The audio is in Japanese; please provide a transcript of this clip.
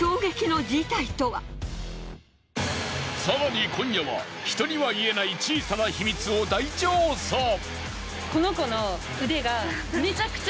更に今夜は人には言えない小さな秘密を大調査。